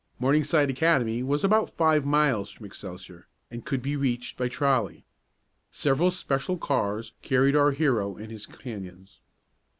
Morningside Academy was about five miles from Excelsior, and could be reached by trolley. Several special cars carried our hero and his companions.